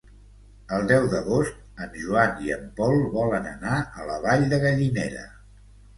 El deu d'agost en Joan i en Pol volen anar a la Vall de Gallinera.